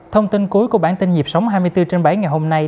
thông tin cuối của bản tin nhịp sống hai mươi bốn trên bảy ngày hôm nay